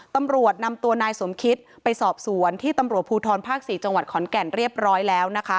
ตำรวจนำตัวนายสมคิตไปสอบสวนที่ตำรวจภูทรภาค๔จังหวัดขอนแก่นเรียบร้อยแล้วนะคะ